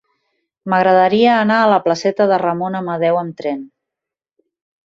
M'agradaria anar a la placeta de Ramon Amadeu amb tren.